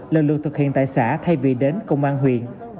lần lượt thực hiện tại xã thay vì đến công an huyện